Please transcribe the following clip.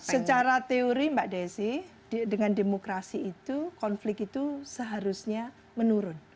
secara teori mbak desi dengan demokrasi itu konflik itu seharusnya menurun